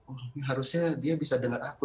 oh tapi harusnya dia bisa dengar aku